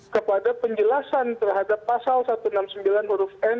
kepada penjelasan terhadap pasal satu ratus enam puluh sembilan huruf n